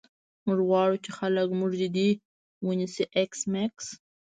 موږ غواړو چې خلک موږ جدي ونیسي ایس میکس